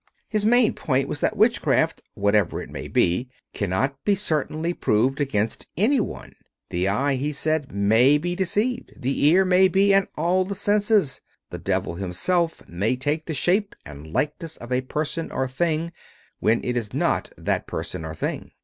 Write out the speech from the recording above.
His main point was that witchcraft, whatever it may be, cannot be certainly proved against any one. The eye, he said, may be deceived; the ear may be; and all the senses. The devil himself may take the shape and likeness of a person or thing, when it is not that person or thing.